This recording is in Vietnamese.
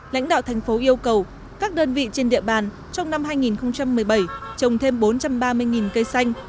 lãnh đạo thành phố yêu cầu các đơn vị trên địa bàn trong năm hai nghìn một mươi bảy trồng thêm bốn trăm ba mươi cây xanh